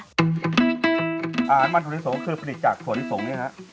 น้ำมันถั่วลิสงก็คือผลิตจากถั่วลิสงเนี่ยฮะ